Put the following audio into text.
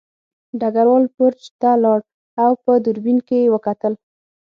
ډګروال برج ته لاړ او په دوربین کې یې وکتل